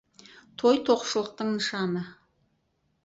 Той — тоқшылықтың нышаны.